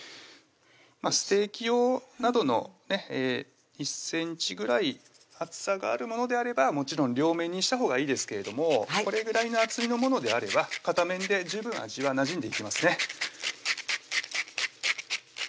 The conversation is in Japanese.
まぁステーキ用などの１ｃｍぐらい厚さがあるものであればもちろん両面にしたほうがいいですけれどもこれぐらいの厚みのものであれば片面で十分味はなじんでいきますね